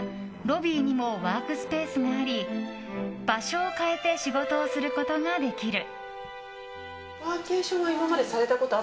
またロビーにもワークスペースがあり場所を変えて仕事をすることができる。